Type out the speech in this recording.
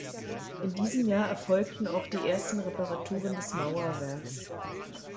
In diesem Jahr erfolgten auch die ersten Reparaturen des Mauerwerks.